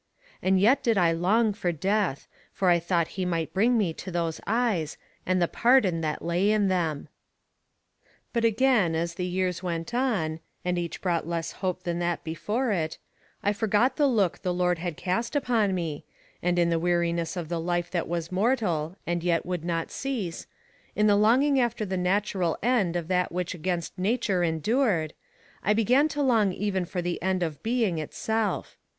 And yet did I long for Death, for I thought he might bring me to those eyes, and the pardon that lay in them. "'But again, as the years went on, and each brought less hope than that before it, I forgot the look the Lord had cast upon me, and in the weariness of the life that was mortal and yet would not cease, in the longing after the natural end of that which against nature endured, I began to long even for the end of being itself.